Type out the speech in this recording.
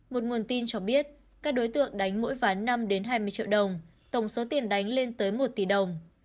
một nguồn tin cho biết các đối tượng đánh mỗi ván năm hai mươi triệu đồng tổng số tiền đánh lên tới một tỷ đồng